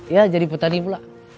ya jadi petani pula